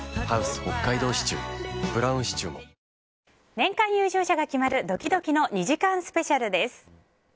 年間優勝者が決まるドキドキの２時間スペシャルです。